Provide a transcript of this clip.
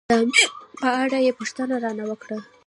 د امر په اړه یې پوښتنه را نه وکړه.